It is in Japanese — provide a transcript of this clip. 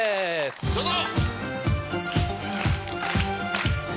どうぞ！